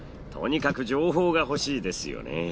とにかく情報が欲しいですよね。